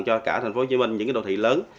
cho cả thành phố hồ chí minh những đô thị lớn